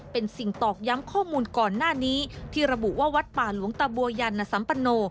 เป็นสิ่งตอกย้ำข้อมูลก่อนหน้านี้ที่ระบุว่าวัดป่าหลวงตะบัวยันสัมปโน